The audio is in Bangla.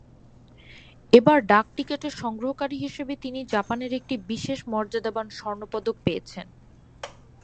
এবার ডাক-টিকেটের সংগ্রহকারী হিসেবে তিনি জাপানের একটি বিশেষ মর্যাদাবান স্বর্ণপদক পেয়েছেন।